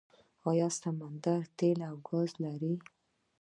دا سمندر تیل او ګاز لري.